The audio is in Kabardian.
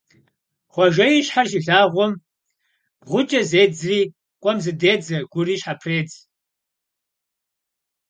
Хъуэжэ и щхьэр щилъагъум, бгъукӀэ зедзри къуэм зыдедзэ, гури щхьэпредз.